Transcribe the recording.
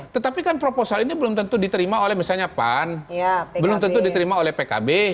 tetapi kan proposal ini belum tentu diterima oleh misalnya pan belum tentu diterima oleh pkb